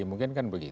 mungkin kan begitu